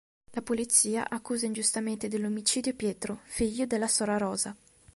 La polizia accusa ingiustamente dell'omicidio Pietro, figlio della sora Rosa.